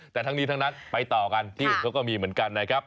แต่ทั้งนี้ทั้งนั้นไปต่อกันที่อื่นเขาก็มีเหมือนกันนะครับ